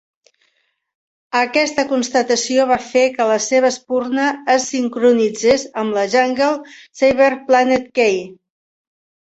Aquesta constatació va fer que la seva espurna es sincronitzés amb la Jungle Cyber Planet Key.